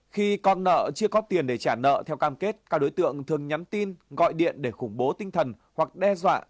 khi con nợ chưa có tiền để trả nợ theo cam kết các đối tượng thường nhắn tin gọi điện để khủng bố tinh thần hoặc đe dọa